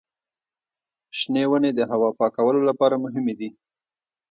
شنې ونې د هوا پاکولو لپاره مهمې دي.